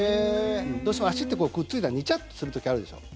どうしても足ってくっついたらネチャッとする時あるでしょ？